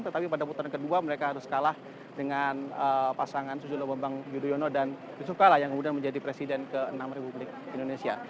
tetapi pada putaran kedua mereka harus kalah dengan pasangan susilo bambang yudhoyono dan yusuf kalla yang kemudian menjadi presiden ke enam republik indonesia